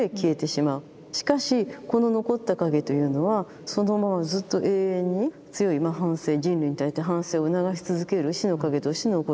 しかしこの残った影というのはそのままずっと永遠に強い反省人類に対して反省を促し続ける死の影として残る。